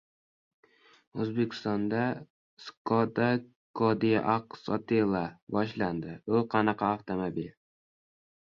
O‘zbekistonda Škoda Kodiaq sotila boshlandi. U qanaqa avtomobil?